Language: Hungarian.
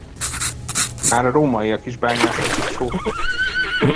Már a rómaiak is bányásztak itt sót.